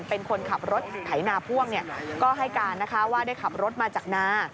เป็นคนขับรถไถนาพ่วงก็ให้การนะคะว่าได้ขับรถมาจากนา